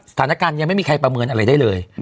สถานการณ์ยังไม่มีใครประเมินอะไรได้เลย